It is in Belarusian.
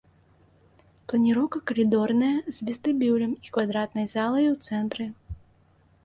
Планіроўка калідорная з вестыбюлем і квадратнай залай у цэнтры.